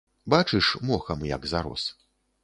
Бачыш, мохам як зарос.